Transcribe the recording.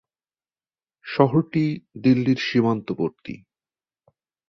শহরটি দিল্লির সীমান্তবর্তী।